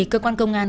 cơ quan công an